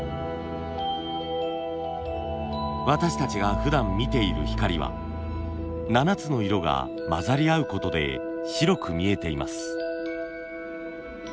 私たちがふだん見ている光は７つの色が混ざり合うことで白く見えています。